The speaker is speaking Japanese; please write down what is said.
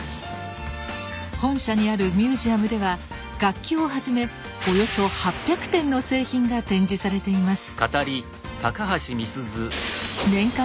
本社にあるミュージアムでは楽器をはじめおよそ８００点の製品が展示されています。